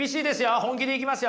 本気でいきますよ。